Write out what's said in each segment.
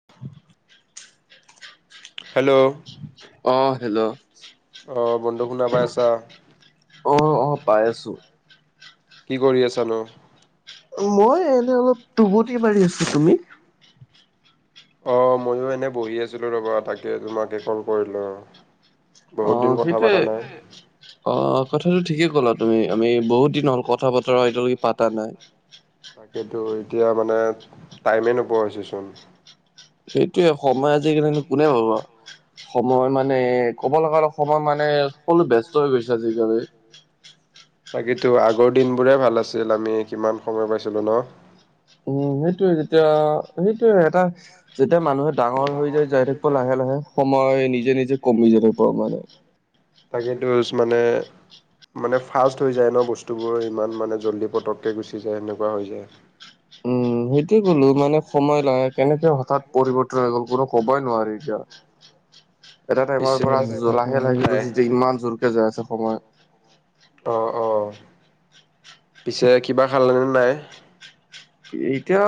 [unintelligible] Hello আহ hello অ', বন্ধু শুনা পাই আছা? অঁ অঁ পাই আছোঁ কি কৰি আছানো? মই এনে অলপ টুপনি মাৰি আছো, তুমি? অ', ময়ো এনে বহি আছিলো ৰবা তাকে তোমাকে কল কৰিলো আৰু। অ', সেইটো অ কথাটো ঠিকে ক'লা তুমি আমি বহুত দিন হ'ল কথা বতৰা এতিয়ালৈকে পাতা নাই। তাকেটো এতিয়া মানে টাইমেই নোপোৱাা হৈেছচোন। সেইটোয়ে সময় আজিকালি কোনে ভাবো আৰু সময় মানে ক'ব লগা অল [unintelligible] সময় মানে সকলো ব্যস্ত হৈ গৈছে আজিকালি। তাকেটো আগৰ দিনবোৰে ভাল আছিল, আমি কিমান সময় পাইছিলোঁ ন। উম সেইটোযৱে, যেতিয়া সেইটোৱে এটা যেতিয়া মানুহে ডাঙৰ হৈ যায় যাই থাকিব লাহে লাহে সময় নিজে নিজে কমি যাই থাকিব মানে। তাকে মানে [unintelligible] মানে ফাষ্ট হৈ যায় ন বস্তুবোৰ ইমান মানে জল্দি পটককৈ গুচি যায় সেনেকুৱা হৈ যায়। উম সেইটোে ক'লো মানে সময় লাগে কেনেকে হঠাৎ পৰিৱৰ্তন হৈ গ'ল কোনো ক'বই নোৱাৰে এতিয়া। অ সটো [unintelligible] [inaudible] এটা টাইমৰ পৰা লাহে লাহেকে গৈছে যেতিয়া ইমান জোৰকে যাই আছে সময়। অঁ অঁ, পিছে কিবা খাল নাই? এতিয়া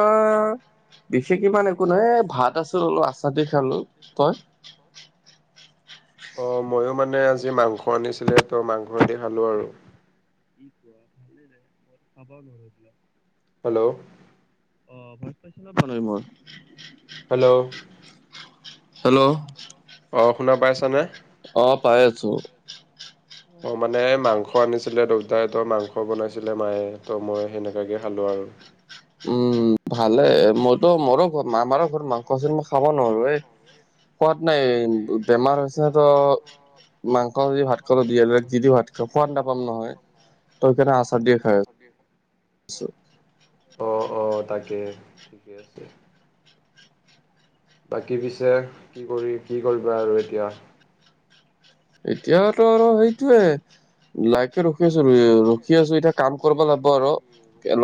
বিশেষ ইমান একো নহয় ভাত আছিলো আচাৰ দি খালো। তই? অঁ, ময়ো মানে আজি মাংস আনিছিলে তো মাংসদি খালোঁ আৰু। কি কোৱা ভালে ন মোৰ [inaudible] আবানল [inaudible] হেল্ল' অ ভাল [unintelligible] পাইছে ন প ন মই হেল্ল' হেল্ল' অঁ, শুনা পাইছানে? অ', পাই আছো। অ', মানে মাংস আনিছিলে দেউতাই ত মাংস বনাইছিলে মায়ে ত মই সেনেকালে খালো আৰু। উম ভালে, মইতো মোৰো ঘৰত আমাৰো ঘৰত মাংস আছিল মই খাব নোৱাৰো এ। সোৱাত নাই, বেমাৰ হৈছে তো, মাংস দি ভাত কল বিয়াবিলাক যি দিও ভাত খাই খোৱাদ নাপাম নহয় তইকাৰণে আচাৰ দিয়ে খাই আ [inaudible] ছো অ', অ' তাকে, ঠিকে আছে। বাকী পিছে কি কৰি, কি কৰিবা আৰু এতিয়া? এতিয়াতো আৰু সেইটোয়ে, লাইকে ৰখি আছোঁ ৰখি আছোঁ এতিয়া কাম কৰিব লাগিব আৰু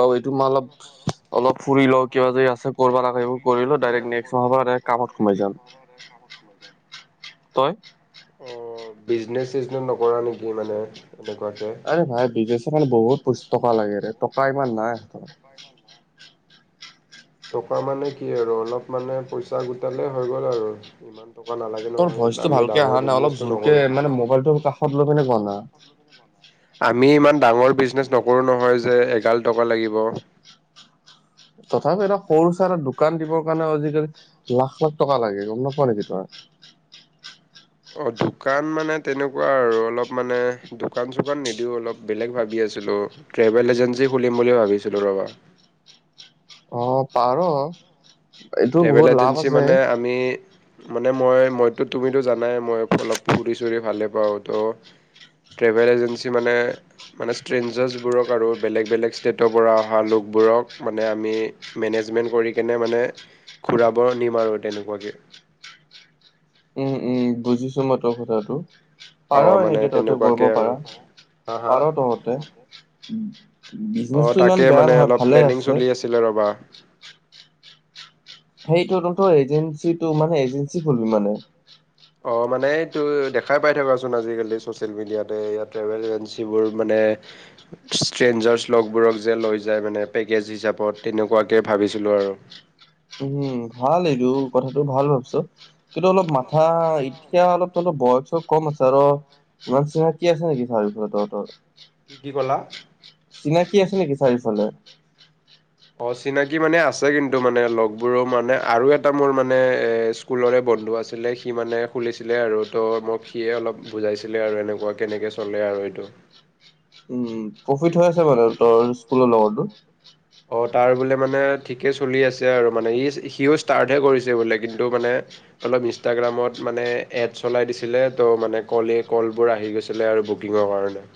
ল' এইটো মই অলপ অলপ ফুৰি লওঁ কিবা যদি আছে কৰিব লগা সেইবোৰ কৰিলোঁ, ডাইৰেক্ট নেক্সট মাহৰপৰা কামত সোমাই যাম। মজা তই? অ' বিজনেচ চিজনে নকৰা নেকি মানে? এনেকুৱাকে আৰে ভাই বিজনেচৰ কাৰণে বহুত কষ্ট কৰা লাগে, টকা ইমান নাই। [unintelligible] টকা মানে কি আৰু অলপ মানে পইচা গোটালেই হৈ গ'ল আৰু ইমান টকা নালাগে তোৰ ভইচটো নহয়। আমি ভালকে ডাঙৰ বিজনেচটো নকৰো। সত লৈ পিনে কুৱা না। আমি ইমান ডাঙৰ বিজনেচ নকৰো নহয় যে এঘাল টকা লাগিব। তথাপিও এটা সৰু চৰা এটা দোকান দিবৰ কাৰণে আজিকালি লাখ লাখ টকা লাগে, গম নাপোৱা নেকি তই? অ' দোকান মানে তেনেকুৱা আৰু অলপ মানে দোকান চোকান নিদিওঁ, অলপ বেলেগ ভাবি আছিলোঁ, ট্ৰেভেল এজেঞ্চি খুলিম বুলি ভাবিছিলোঁ ৰ'বা। অ' পাৰ। এইটো ট্ৰেভেল বহুত লাভ এজেঞ্চি আছে। মানে আমি মানে মই মইতো তুমিতো জানাই মই অলপ ফুৰি চুৰি ভালে পাওঁ ত' ট্ৰেভেল এজেঞ্চি মানে মানে ষ্ট্ৰেঞ্জাৰ্ছবোৰক আৰু বেলেগ বেলেগ ষ্টেটৰপৰা অহা লোকবোৰক মানে আমি মেনেজমেণ্ট কৰি কেনে মানে ঘূৰাব নিম আৰু তেনেকুৱাকে। উম, উম, বুজিছোঁ মই তোৰ কথাটো, পাৰা অ মানে এনেকে তহতে তেনেকুৱাকে কৰিব আৰু পাৰা। হা হা পাৰ তহতে। বিজনেচটো ইমান বেয়া নহয় ভালে আছে। টিলা ৰবা। সেইটো যুনটো এজেঞ্চিটো মানে এজেঞ্চি খলবি মানে? অ' মানে এইটো দেখাই পাই থকাচোন আজিকালি চচিয়েল মিডিয়াতে, ইয়াত ট্ৰেভেল এজেঞ্চিবোৰ মানে ষ্ট্ৰেঞ্জাৰছ লগবোৰক যে লৈ যায় মানে পেকেজ হিচাপত তেনেকুৱাকে ভাবিছিলোঁ আৰু। উম, ভাল এইটো, কথাটো ভাল ভাবিছ। কিন্তু অলপ মাথা, এতিয়া অলপ অলপ বছ টো কম আছে আৰু ইমান চিনাকি আছে নেকি চাৰ্ভিচত তহতৰ। কি কি কলা? চিনাকি আছে নেকি চাৰিওফালে? অ' চিনাকি মানে আছে কিন্তু মানে লগবোৰো মানে আৰু এটা মোৰ মানে এ স্কুলৰে বন্ধু আছিলে সি মানে খুলিছিলে আৰু ত' মোক সিয়ে অলপ বুজাইছিলে আৰু এনেকুৱা কেনেকে চলে আৰু এইটো। উম প্ৰফিট হৈ আছে মানে তোৰ স্কুলৰ লগৰটোৰ? অ' তাৰ বোলে মানে ঠিকে চলি আছে আৰু মানে ই সিও ষ্টাৰ্টহে কৰিছে বোলে কিন্তু মানে অলপ ইনষ্টাগ্ৰামত মানে এড চলাই দিছিলে ত' মানে কলে কলবোৰ আহি গৈছিল। ছিলে আৰু বুকিঙৰ কাৰণে।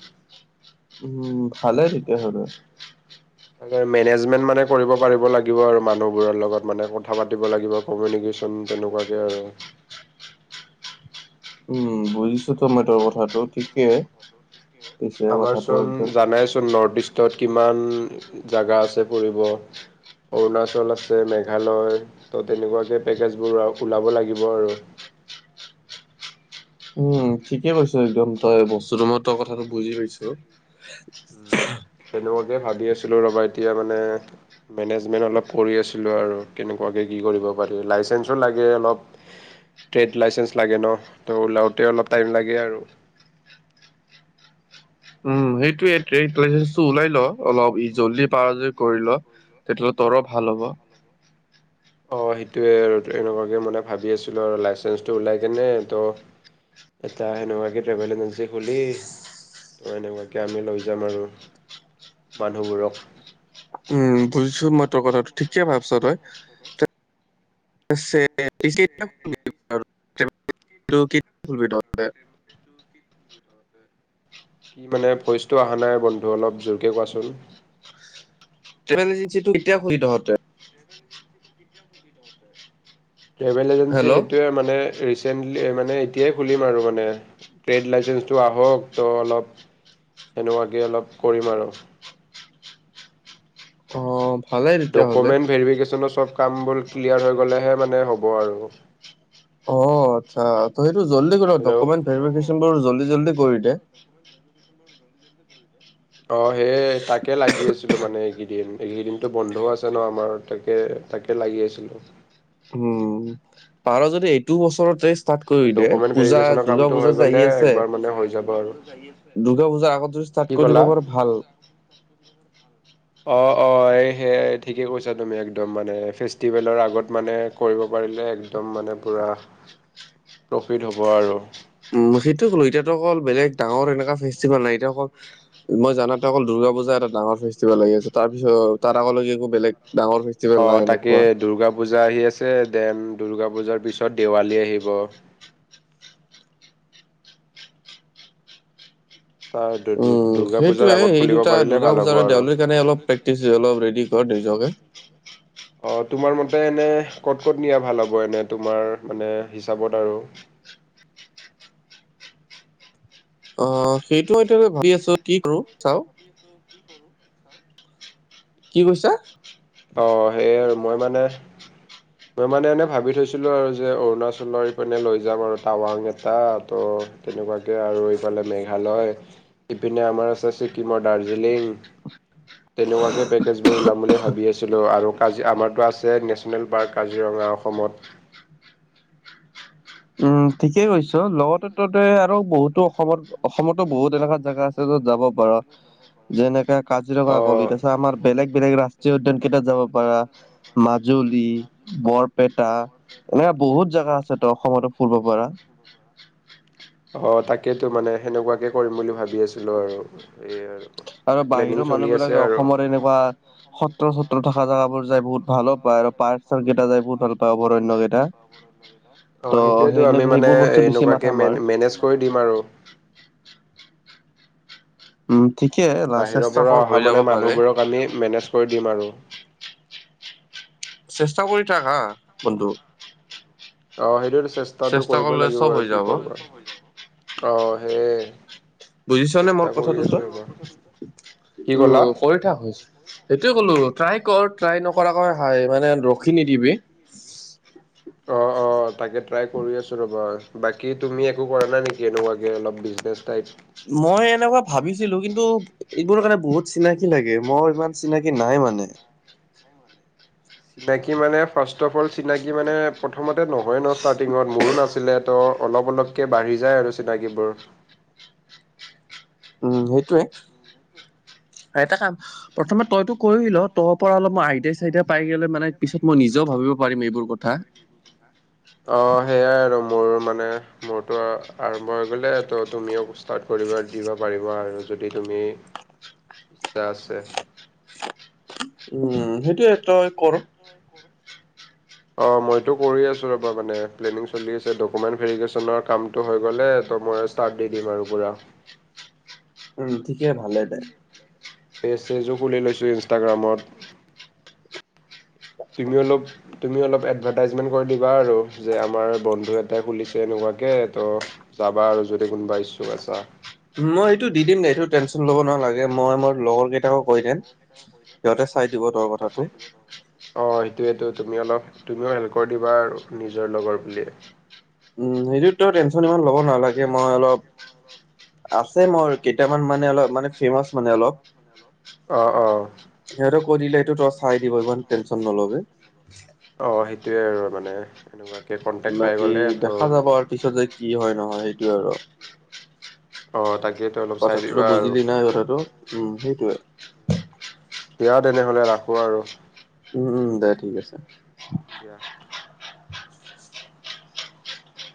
উ, ভালে তেতিয়াহ'লে। মানে মেনেজমেন্ট মানে কৰিব পাৰিব লাগিব আৰু মানুহবোৰৰ লগত মানে কথা পাতিব লাগিব। কমিউনিকেশ্যন তেনেকুৱাকে আৰু। উম। বুজিছোঁ ত' মই তোৰ কথাটো ঠিকে। পিছে কথাটো আমাৰচোন একদম জানাইচোন নৰ্থ ইষ্টত কিমান জগা আছে ফুৰিব। অৰুণাচল আছে, মেঘালয় ত' তেনেকুৱাকে পেকেজবোৰ ওলাব লাগিব আৰু। উ ঠিকে কৈছো একদম তই বস্তুতো মই তই কথাটো বুজি পাইছো। সেনেকুৱাকে ভাবি আছিলো ৰবা এতিয়া মানে মেনেজমেণ্ট অলপ কৰি আছিলোঁ আৰু কেনেকুৱাকৈ কি কৰিব পাৰি। লাইচেঞ্চো লাগে অলপ ট্ৰেড লাইচেন্ঞ্চ লাগে ন, তো ওলাওঁতে অলপ টাইম লাগে আৰু। উম সেইটোয়ে [unintelligible] ওলাই ল অলপ ই জল্দি পাৰজ কৰি লো। [unintelligible] ভাল হ'ব। অ সেইটোৱে আৰু এনেকুৱাকে মানে ভাবি আছিলোঁ আৰু লাইচেঞ্চটো ওলাই কেনে ত এটা সেনেকুৱাকে ট্ৰেভেল এজেঞ্চি খুলি ত' এনেকুৱাকে আমি লৈ যাম আৰু মানুহবোৰক। উম বুজিছো মই তোৰ কথাটো ঠিকে ভাবছো তই। [unintelligible] [unintelligible] কি মানে ভইচটো অহা নাই বন্ধু অলপ জোৰকে কোৱাচোন। টেভেল এজেঞ্চিটো কেতিয়া [unintelligible] তহঁতে ট্ৰেভেল এজেঞ্চি হেল্ল' সেইটোৱে মানে ৰিচেন্টলি মানে এতিয়াই খুলিম আৰু মানে ট্ৰেড লাইচেন্ঞ্চটো আহক ত অলপ তেনেকুৱাকে অলপ কৰিম আৰু। অ' ভালেই তেতিয়াহ'লে। ডকমেণ্ট ভাৰিভেকেচনৰ চব কামবোৰ ক্লিয়াৰ হৈ গ'লে হে মানে হ'ব আৰু। অ আচ্ছা ত সেইটো জল্দি কৰা। হেল্ল' ডকমেণ্ট ভেৰিফিকেশচন বোৰ জল্দি জল্দি কৰি দে। অ সেইযয়ে তাকে লাগি আছিলোঁ মানে এইকেইদিন, এইকেইদিনতো বন্ধও আছে ন আমাৰ তাকে তাকে লাগি আছিলো। উম। পাৰ যদি এইটো বছৰৰ তেষ্ট ষ্টাৰ্ট কৰি দে, ডকুমেণ্ট পূজা ভেৰিফিকেশ্যনৰ দৰ্গা কামটো হৈ পূজা যে গ'লে আহি আছে একবাৰ মানে হৈ যাব আৰু। দুৰ্গা পূজাৰ আগত য ষ্টাৰ্ট কি কৰিব ক'লা? পাৰ ভাল। [unintelligible] অ অ এই সেয়াই ঠিকেই কৈছা তুমি একদম মানে ফেষ্টিভেলৰ আগত মানে কৰিব পাৰিলে একদম মানে পূৰা প্ৰফিট হ'ব আৰু। উম সেইটোৱ কলো এতিয়াটো অকল বেলেগ ডাঙৰ এনেকুৱ ফেষ্টিভেল নাই, এতিয়া অকল মই জানাতটো অকল দুৰ্গা পূজা এটা ডাঙৰ ফেষ্টিভেল লাগি আছে। তাৰ পিছত তাত আগলৈকে একো বেলেগ ডাঙৰ ফেষ্টিভেল অ নাই তাকে এনেকুৱা। দূৰ্গা পূজা আহি আছে, দেন দুৰ্গা পূজাৰ পিছত দেৱালী আহিব। তাৰ দু দু উম দুৰ্গা পূজাৰ সেইটোয়ে আগত সেই খুলিব দুটা পাৰিলে ভাল পূজা হ'ব আৰু দেউালীৰ কাৰণে অলপ পেক থিক আছে অলপ ৰেডি কৰ [unintelligible] অ তোমাৰ মতে এনে ক'ত ক'ত নিয়া ভাল হ'ব এনে তোমাৰ মানে হিচাপত আৰু। অ সেইটো ভাবি আছো কি কৰো চাও। কি কৰো চাও। কি কৈছা? অ সেইয়া মই মানে মই মানে এনে ভাবি থৈছিলোঁ আৰু যে অৰুণাচলৰ পিনে লৈ যাম আৰু টাৱাং এটা ত তেনেকুৱাকৈ আৰু এইফালে মেঘালয় ইপিনে আমাৰ আছে ছিকিমৰ আৰু দাৰ্জিলিং। তেনেকুৱাকে পেকেজবোৰ ওলাম বুলি ভাবি আছো। ছিলো আৰু কাজ আমাৰতো আছে নেশ্যনেল পাৰ্ক কাজিৰঙা অসমত। উম, ঠিকেই কৈছ উ লগতে ঠিকেইছ ততে আৰু লগতে বহুতো এতে আৰু অসমত বহুতো অসমতো বহুত অসমত এনেকুৱা জাগা অসমতো আছে বহুত য'ত এনেকুৱা যাব জোগা পাৰ। আছে যাব পাৰা। যেনেকা কাজিৰঙা গলি, তাৰপাছত আমাৰ বেলেগ বেলেগ ৰাষ্ট্ৰীয় উদ্যয়ান কেইটাত যাব পাৰা। মাজুলী, বৰপেটা এনেকাে বহুত জেগা আছে তো অসমতো [unintelligible] অ তাকেইতো মানে সেনেকুৱাকে কৰিম বুলি ভাবি আছিলো আৰু এই আৰু মানে প্লেনিং চলি মানুহ আছে বিলাকে আৰু অসমৰ এনেকুৱা সত্ৰ-সত্ৰ থকা জাগাবোৰ যাই বহুত ভালো পায় আৰু পাৰ্ক চাৰ্কেইটা যাই বহুত ভাল পায়, [unintelligible] ত' অ' সেইটোয়েতো সেই আমি মানে সেইবোৰ বস্তু বেছি এনেকুৱাকে মাথা মাৰ মেনেজ কৰি দিম আৰু। উম, ঠিকে। চেষ্টা বাহিৰৰপৰা কৰ অহা হৈ যাব মানে পাৰে মানুহবোৰক আমি মেনেজ কৰি দিম আৰু। চেষ্টা কৰি থাকা বন্ধু। অ' সেইটোতো চেষ্টাটো চেষ্টা কৰিবই কৰিলে লাগিব চব আৰু হৈ কি যাব কৰা আ, হেয়েই। বুজিছ নে মোৰ কথাটো তই? কি উ ক'লা কৰি থাক। সেইটোয়ে ক'লো ট্ৰাই কৰ, ট্ৰাই নকৰাকৈ হাই, মানে ৰখি নিদিবি। অ', অ'। তাকে ট্ৰাই কৰি আছোঁ ৰ'বা। বাকী তুমি একো কৰা নাই নেকি এনেকুৱাকে অলপ বিজনেছ টাইপ। মই এনেকুৱা মই ভাবিছিলো এনেকোৱা কিন্তু ভাবিছিলো কিন্তু কাৰণে বহুত এইবোৰ কাৰণে চিনাকি বহুত লাগে মই চিনাকি ইমান লাগে, মোৰ চিনাকি ইমান নাই মানে। চিনাকি নাই। চিনাকি মানে ফাৰ্ষ্ট অ'ফ অ'ল চিনাকি মানে প্ৰথমতে নহয় ন' ষ্টাৰ্টিঙত, মোৰো নাছিলে ত' অলপ অলপ কে বাঢ়ি যায় আৰু চিনাকিবোৰ। উম, সেইটোৱে। এটা কাম প্ৰথমে তইতো কৰিল, তোৰপৰা অলপ মই আইদিয়া চাইদা পাই গেলে মানে পিছত মই নিজেও ভাবিব পাৰিম এইবোৰ কথা। অ' হেয়াই আৰু। মোৰ মানে মোৰটো আৰম্ভ হৈ গ'লে ত' তুমিও ষ্টাৰ্ট কৰিব দিবা পাৰিবা আৰু। যদি তুমি ইচ্ছা আছে। উম, সেইটোয়ে তই কৰ। অ' মইতো কৰি আছোঁ ৰ'বা মানে প্লেনিং চলি আছে, ডকুমেণ্ট ভেৰিফিকেশ্যনৰ কামটো হৈ গ'লে ত' মই ষ্টাৰ্ট দি দিম আৰু পুৰা। উম, ঠিকে ভালে দে। পেজ চেজো খুলি লৈছোঁ ইনষ্টাগ্ৰামত। তুমি অলপ তুমি অলপ এডভাৰ্টাইজমেণ্ট কৰি দিবা আৰু যে আমাৰ বন্ধু এটাই খুলিছে এনেকুৱাকে ত' যাবা আৰু যদি কোনোবা ইচ্ছুক আছা। মই এইটো দি দিম দে, এইটো টেনচন ল'ব নালাগে, মই মোৰ লগৰ কেইটাকো কৈ দিম। সিহঁতে চাই দিব। তোৰ অ' কথাটো চাই দিব। অ' সেইটোৱেতো। তুমি অলপ, তুমিও হেল্প কৰি দিবা আৰু নিজৰ লগৰ বুলি। উম, সেইটোততো টেনশ্যন ইমান ল'ব নালাগে, মই অলপ আছে মোৰ কেইটামান মানে অলপ মানে ফেমাচ মানে অলপ। অ', অ'। সিহঁতক কৈ দিলে সেইটো তই চাই দিব, ইমান টেনশ্যন ন'লবি। অ' সেইটোৱে আৰু মানে এনেকুৱা বাকী দেখা যাব আৰু পিছত যে কি হয় নহয় সেইটোয়ে আৰু। অ' তাকেইতো। অলপ চাই কথাটোতো দিবা আৰু বুজিলি নাই কথাটো। উম, সেইটোৱে। দিয়া তেনেহ'লে ৰাখো আৰু। উম, উম, দে ঠিক আছে। দিয়া।